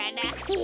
え！